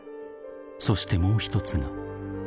［そしてもう一つが］